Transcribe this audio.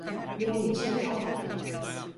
Benim için yok.